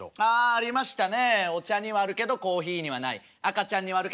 ありましたね